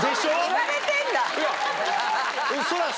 言われてんだ。